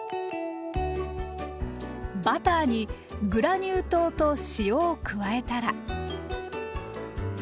バターにグラニュー糖と塩を加えたら。